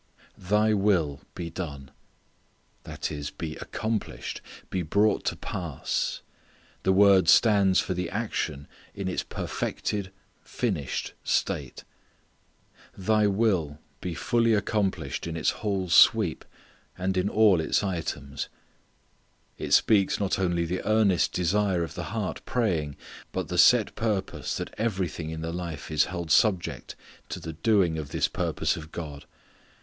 "Thy will be done." That is, be accomplished, be brought to pass. The word stands for the action in its perfected, finished state. Thy will be fully accomplished in its whole sweep and in all its items. It speaks not only the earnest desire of the heart praying, but the set purpose that everything in the life is held subject to the doing of this purpose of God.